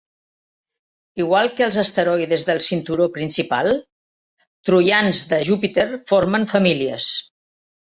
Igual que els asteroides del cinturó principal, troians de Júpiter formen famílies.